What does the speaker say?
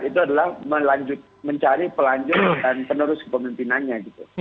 itu adalah mencari pelanjut dan menerus kepemimpinannya